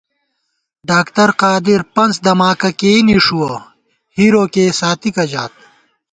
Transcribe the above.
ڈاکتر قادر پنڅ دماکہ کېئی نِݭُوَہ ، ہِرو کېئ ساتِکہ ژات